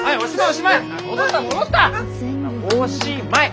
おしまい！